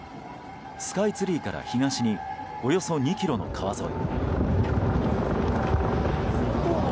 スカイツリーから東におよそ２ｋｍの川沿い。